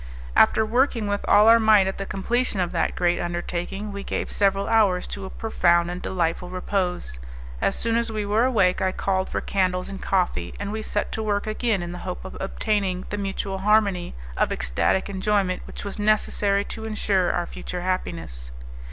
After working with all our might at the completion of that great undertaking, we gave several hours to a profound and delightful repose. As soon as we were awake I called for candles and coffee, and we set to work again in the hope of obtaining the mutual harmony of ecstatic enjoyment which was necessary to insure our future happiness.